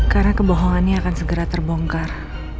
karena kebohongannya akan segera terbongkar